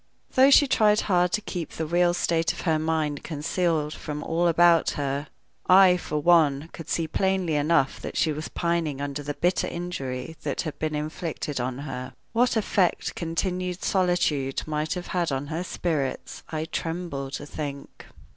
Though she tried hard to keep the real state of her mind concealed from all about her, I, for one, could see plainly enough that she was pining under the bitter injury that had been inflicted on her. What effect continued solitude might have had on her spirits I tremble to think.